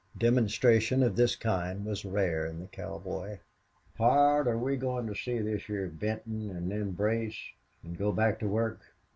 Demonstration of this kind was rare in the cowboy. "Pard, are we goin' to see this heah Benton, an' then brace, an' go back to work?"